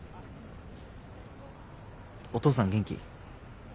お父さん元気？